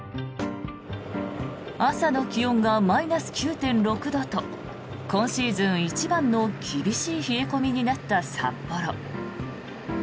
朝の気温がマイナス９．６度と今シーズン一番の厳しい冷え込みになった札幌。